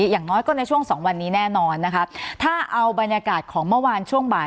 อย่างน้อยก็ในช่วงสองวันนี้แน่นอนนะคะถ้าเอาบรรยากาศของเมื่อวานช่วงบ่าย